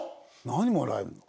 何もらえるの？